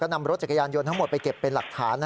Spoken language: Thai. นำรถจักรยานยนต์ทั้งหมดไปเก็บเป็นหลักฐาน